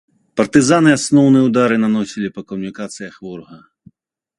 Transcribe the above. Партызаны асноўныя ўдары наносілі па камунікацыях ворага.